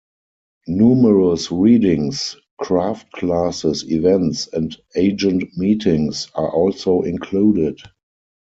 Numerous readings, craft classes, events, and agent meetings are also included.